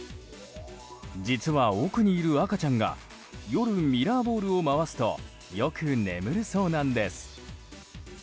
実は奥にいる赤ちゃんが夜、ミラーボールを回すとよく眠るそうなんです。